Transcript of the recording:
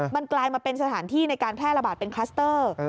มันกลายมาเป็นสถานที่ในการแพร่ระบาดเป็นคลัสเตอร์